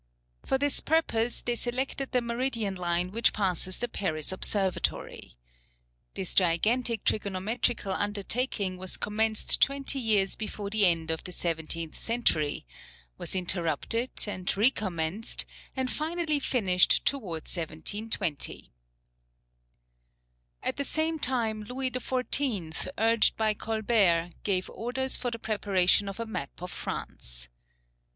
For this purpose, they selected the meridian line which passes the Paris Observatory. This gigantic trigonometrical undertaking was commenced twenty years before the end of the seventeenth century, was interrupted, and recommenced, and finally finished towards 1720. At the same time Louis XIV., urged by Colbert, gave orders for the preparation of a map of France.